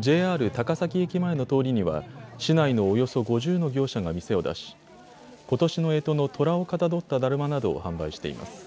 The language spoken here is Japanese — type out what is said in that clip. ＪＲ高崎駅前の通りには市内のおよそ５０の業者が店を出し、ことしのえとのとらをかたどっただるまなどを販売しています。